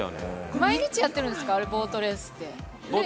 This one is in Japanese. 毎日やってるんですか、ボートレースって？